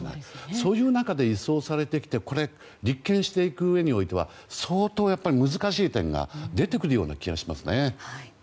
そういう中で、移送されてきてこれを立件していくうえでは相当、難しい点が出てくるような気がしますね。